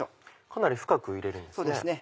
かなり深く入れるんですね。